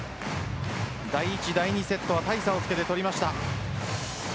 第１、第２セットは大差をつけて取りました。